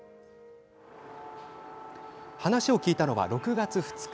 話を聞いたのは６月２日。